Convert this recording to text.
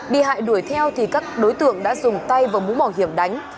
bị hại đuổi theo thì các đối tượng đã dùng tay vào mũ mỏ hiểm đánh